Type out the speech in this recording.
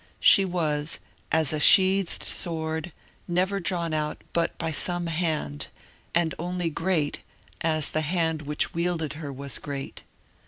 She was as a sheathed sword, never drawn out but by some hand, and only great as the hand which wielded her was great.